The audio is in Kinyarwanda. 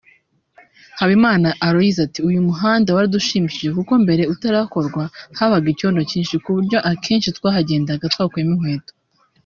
Habimana Aloys ati “Uyu muhanda waradushimishije kuko mbere utarakorwa habaga icyondo cyinshi ku buryo akenshi twahagendaga twakuyemo inkweto